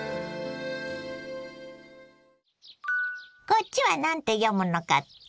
こっちは何て読むのかって？